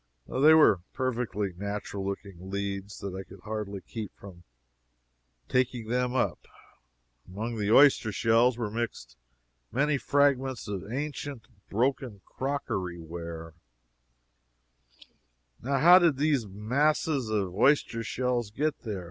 They were such perfectly natural looking leads that I could hardly keep from "taking them up." Among the oyster shells were mixed many fragments of ancient, broken crockery ware. Now how did those masses of oyster shells get there?